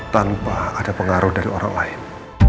tanpa ada pengaruh dari orang lain